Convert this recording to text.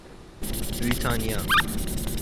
بریتانیا